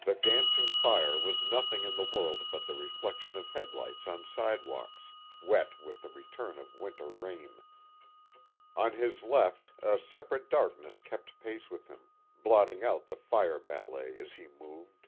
The dancing fire was nothing in the world but the reflection of headlights on sidewalks wet with the return of winter rain. On his left a separate darkness kept pace with him, blotting out the fire ballet as he moved.